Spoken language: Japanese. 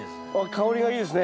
香りがいいですね